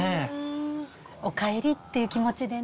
おかえりっていう気持ちでね。